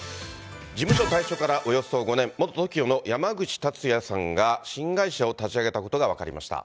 事務所退所からおよそ５年、元ＴＯＫＩＯの山口達也さんが、新会社を立ち上げたことが分かりました。